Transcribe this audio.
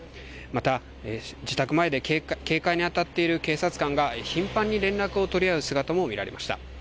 また、自宅前で警戒にあたっている警察官が頻繁に連絡を取り合う姿も見られました。